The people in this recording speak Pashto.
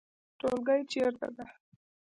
ټولګی چیرته ده؟